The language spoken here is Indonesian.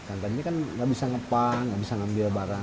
sicilang sejak tahun pennet uses mutlulual fiction